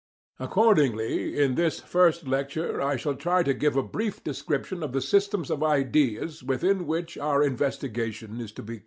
Accordingly in this first lecture I shall try to give a brief description of the systems of ideas within which our investigation is to be carried on.